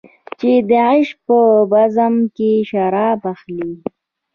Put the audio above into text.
چې د عیش په بزم کې شراب اخلې.